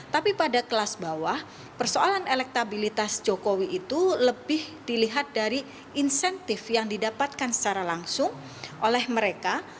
tapi pada kelas bawah persoalan elektabilitas jokowi itu lebih dilihat dari insentif yang didapatkan secara langsung oleh mereka